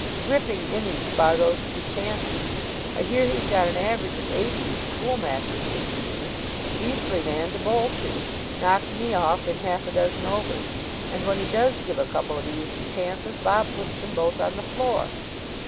Ripping innings bar those two chances. I hear he's got an average of eighty in school matches this season. Beastly man to bowl to. Knocked me off in half a dozen overs. And, when he does give a couple of easy chances, Bob puts them both on the floor.